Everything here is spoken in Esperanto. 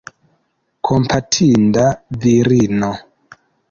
Kompatinda virino!